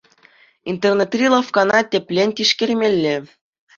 Интернетри лавккана тӗплӗн тишкермелле.